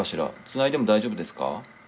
つないでも大丈夫ですか？